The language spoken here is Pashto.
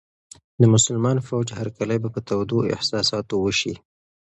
د مسلمان فوج هرکلی به په تودو احساساتو وشي.